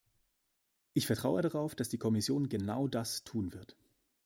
Ich vertraue darauf, dass die Kommission genau das tun wird.